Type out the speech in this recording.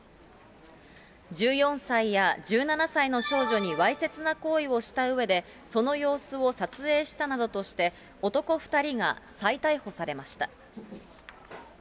１４歳や１７歳の少女にわいせつな行為をしたうえで、その様子を撮影したなどとして、男２人が再逮捕されました。